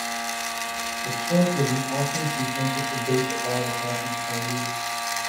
The choice was an often contentious debate that riled the passions of party leaders.